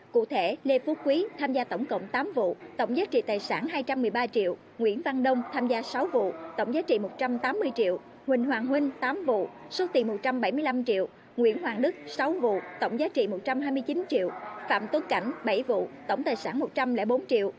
cụ thể lê phú quý tham gia tổng cộng tám vụ tổng giá trị tài sản hai trăm một mươi ba triệu nguyễn văn đông tham gia sáu vụ tổng giá trị một trăm tám mươi triệu huỳnh hoàng huỳnh tám vụ số tiền một trăm bảy mươi năm triệu nguyễn hoàng đức sáu vụ tổng giá trị một trăm hai mươi chín triệu phạm tuấn cảnh bảy vụ tổng tài sản một trăm linh bốn triệu